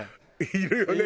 いるよね